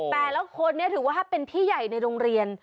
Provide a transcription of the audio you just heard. แต่ละคนนี้ถือว่าเป็นพี่ใหญ่ในโรงเรียน